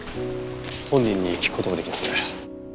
本人に聞く事もできなくて。